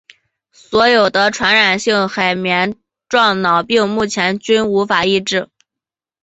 所有得传染性海绵状脑病目前均无法医治。